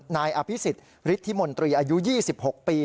นายอภิษฎฤทธิมนตรีอายุ๒๖ปี